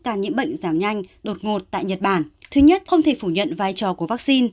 ca nhiễm bệnh giảm nhanh đột ngột tại nhật bản thứ nhất không thể phủ nhận vai trò của vaccine